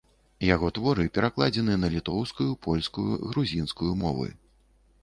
Яго творы перакладзены на літоўскую, польскую, грузінскую мовы.